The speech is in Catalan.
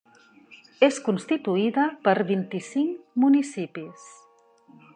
És constituïda per vint-i-cinc municipis.